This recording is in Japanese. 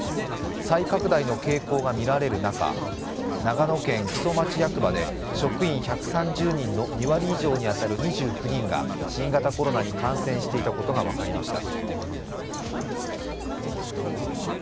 再拡大の傾向がみられる中、長野県木曽町役場で職員１３０人の２割以上に当たる２９人が新型コロナに感染していたことが分かりました。